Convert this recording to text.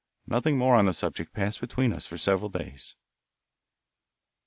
Nothing more on the subject passed between us for several days.